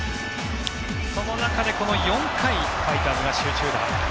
その中で、この４回ファイターズが集中打。